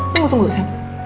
tunggu tunggu tunggu sayang